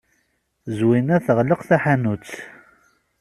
Zwina teɣleq taḥanut.